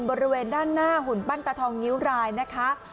บริเวณด้านหน้าหุ่นปั้นตาทองนิ้วรายนะคะ